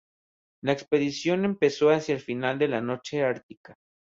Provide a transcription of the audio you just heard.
La expedición empezó hacia el final de la noche ártica.